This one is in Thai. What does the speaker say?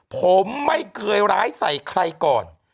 ผมไม่เคยร้ายใส่ใครก่อน